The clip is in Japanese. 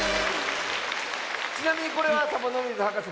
ちなみにこれはサボノミズはかせ